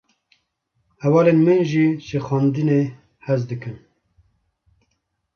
Hevalên min jî ji xwendinê hez dikin.